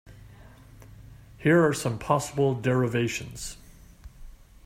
Here are some possible derivations.